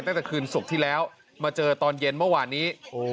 ตั้งแต่คืนศุกร์ที่แล้วมาเจอตอนเย็นเมื่อวานนี้